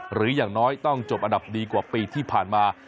อย่างน้อยต้องจบอันดับดีกว่าปีที่ผ่านมา